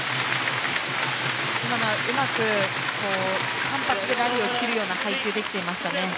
今のはうまく単発でラリーを切るような配球ができていましたね。